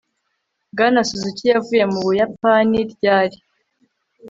bwana suzuki yavuye mu buyapani ryari